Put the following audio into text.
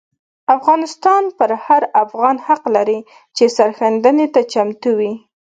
افغانستان پر هر افغان حق لري چې سرښندنې ته چمتو وي.